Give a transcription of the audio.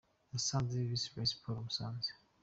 Musanze vs Rayon Sports – Musanze.